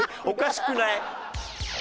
おかしくない？